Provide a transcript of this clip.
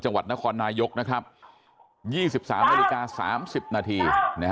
จังหวัดนครนายกนะครับ๒๓นาฬิกา๓๐นาที